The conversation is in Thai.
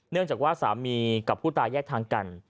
เนื่องจากว่าสามีกับผู้ตายแยกทางกัน